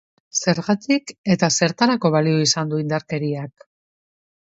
Zergatik eta zertarako balio izan du indarkeriak?